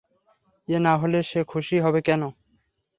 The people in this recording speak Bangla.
এ না হলে সে খুশি হবে কেন?